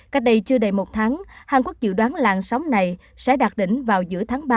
cách đây chưa đầy một tháng hàn quốc dự đoán làn sóng này sẽ đạt đỉnh vào giữa tháng ba